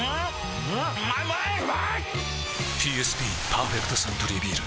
ＰＳＢ「パーフェクトサントリービール」